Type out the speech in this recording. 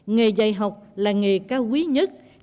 nghề dạy học là nghề cao quý nhất